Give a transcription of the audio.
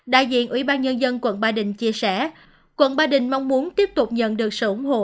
đại diện ủy ban nhân dân quận ba đình chia sẻ quận ba đình mong muốn tiếp tục nhận được sự ủng hộ